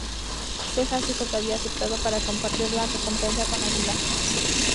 Cejas dijo que había aceptado para compartir la recompensa con Aguilar.